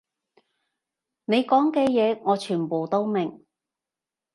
你講嘅嘢我全部都明